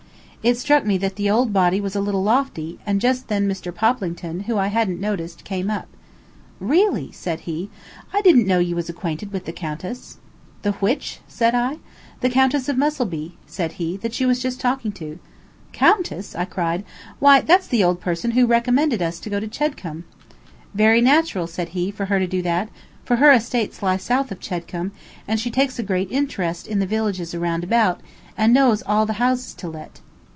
It struck me that the old body was a little lofty, and just then Mr. Poplington, who I hadn't noticed, came up. "Really," said he, "I didn't know you was acquainted with the Countess." "The which?" said I. "The Countess of Mussleby," said he, "that you was just talking to." "Countess!" I cried. "Why, that's the old person who recommended us to go to Chedcombe." "Very natural," said he, "for her to do that, for her estates lie south of Chedcombe, and she takes a great interest in the villages around about, and knows all the houses to let."